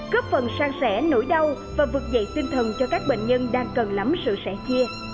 góp phần sang sẻ nỗi đau và vực dậy tinh thần cho các bệnh nhân đang cần lắm sự sẻ chia